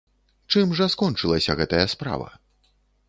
Чым жа скончылася гэтая справа?